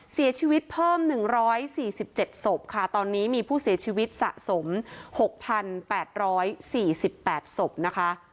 เสียชีวิตเพิ่มหนึ่งร้อยสี่สิบเจ็ดศพค่ะตอนนี้มีผู้เสียชีวิตสะสมหกพันแปดร้อยสี่สิบแปดศพนะคะ